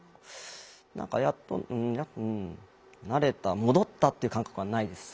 何かやっとうんなれた戻ったっていう感覚はないです。